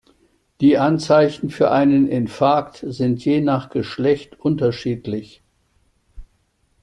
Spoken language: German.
Die Anzeichen für einen Infarkt sind je nach Geschlecht unterschiedlich.